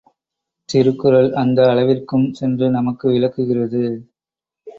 திருக்குறள் அந்த அளவிற்கும் சென்று நமக்கு விளக்குகிறது.